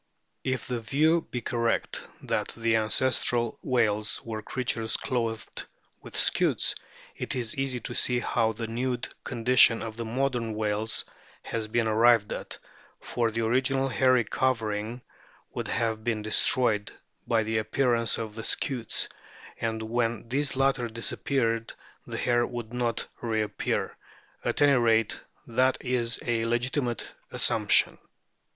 If the view be correct that the ancestral whales were creatures clothed with scutes, it is easy to see how the nude condition of the modern whales has been arrived at, for the original hairy covering would have been destroyed by the appearance of the scutes, and when these latter disappeared the hair would not reappear at any rate, that is a legitimate assumption.